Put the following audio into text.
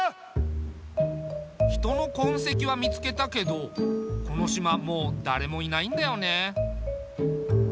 人の痕跡は見つけたけどこの島もう誰もいないんだよね。